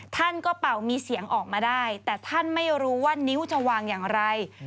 ท่านก็เป่ามีเสียงออกมาได้แต่ท่านไม่รู้ว่านิ้วจะวางอย่างไร